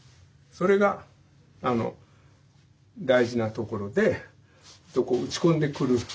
それが大事なところで打ち込んでくる。